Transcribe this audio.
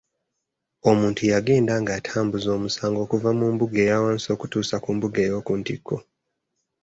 Omuntu yagenda ng’atambuza omusango okuva mu mbuga eya wansi okutuusa ku mbuga ey’oku ntikko.